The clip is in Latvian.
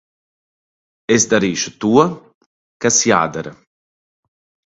Es darīšu to, kas jādara.